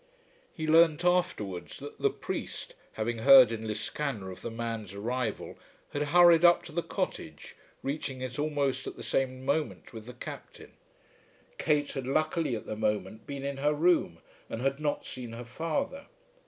He learnt afterwards that the priest, having heard in Liscannor of the man's arrival, had hurried up to the cottage, reaching it almost at the same moment with the Captain. Kate had luckily at the moment been in her room and had not seen her father.